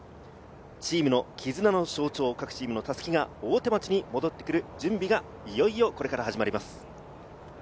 チームの絆の象徴、各チームの襷が大手町に戻ってくる準備がいよいよこれから始まります。